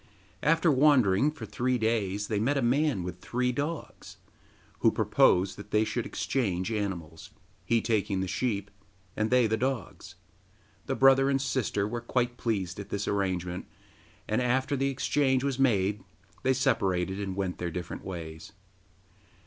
After wandering for three days they met a man with three dogs who proposed that they should exchange animals, he taking the sheep, and they the dogs. The brother and sister were quite pleased at this arrangement, and after the exchange was made they separated, and went their different ways.